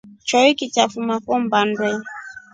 Choiki cha fuma fo mbaa ndwe.